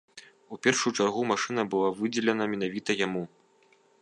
У першую чаргу машына была выдзелена менавіта яму.